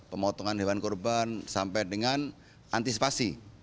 pemotongan hewan kurban sampai dengan antisipasi